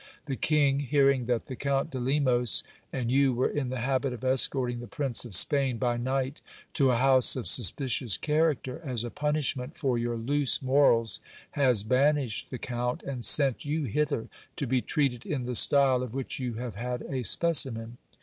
The king, hearing that the Count de Lemos and you were in the habit of escorting the Prince of Spain by night to a house of suspicious character, as a punishment for your loose morals, has banished the count, and sent you hither, to be treated in the style of which you have had a specimen.